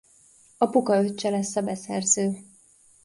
Apuka öccse lesz a beszerző.